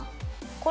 これ。